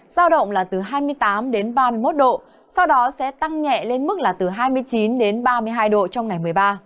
giao động là từ hai mươi tám đến ba mươi một độ sau đó sẽ tăng nhẹ lên mức là từ hai mươi chín đến ba mươi hai độ trong ngày một mươi ba